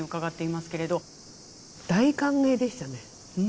大歓迎でしたね。